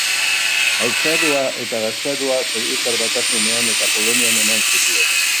Haurtzaroa eta gaztaroa Sobietar Batasunean eta Polonian eman zituen.